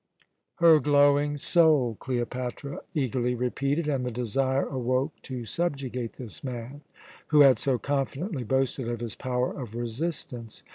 "Her glowing soul!" Cleopatra eagerly repeated, and the desire awoke to subjugate this man who had so confidently boasted of his power of resistance.